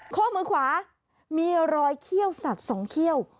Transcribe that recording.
ข้อมือขวามีรอยเขี้ยวสัตว์๒เขี้ยว